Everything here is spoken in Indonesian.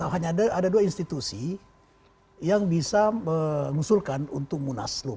hanya ada dua institusi yang bisa mengusulkan untuk munaslup